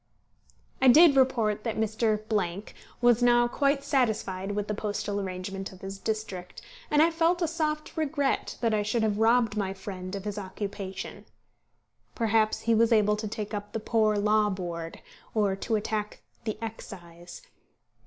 I did report that Mr. was now quite satisfied with the postal arrangement of his district; and I felt a soft regret that I should have robbed my friend of his occupation. Perhaps he was able to take up the Poor Law Board, or to attack the Excise.